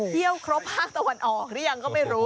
เที่ยวครบห้างตะวันออกเนี่ยยังก็ไม่รู้